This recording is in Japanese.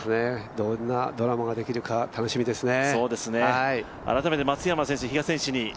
どんなドラマができるか楽しみですね。